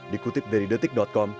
dikutip dari detik com